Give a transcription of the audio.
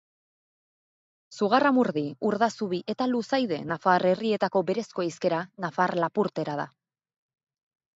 Zugarramurdi, Urdazubi eta Luzaide nafar herrietako berezko hizkera nafar-lapurtera da.